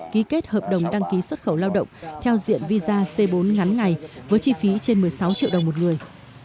ký kết hợp đồng đăng ký xuất khẩu lao động theo diện visa c bốn ngắn ngày với chi phí trên một mươi sáu triệu đồng một người